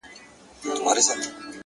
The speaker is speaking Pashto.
بس ژونده همدغه دی _ خو عیاسي وکړه _